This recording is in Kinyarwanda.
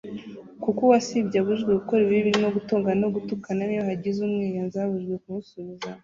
kuko uwasibye abujijwe gukora ibibi birimo gutongana no gutukana; niyo hagize umwiyenzaho abujijwe kumusubiza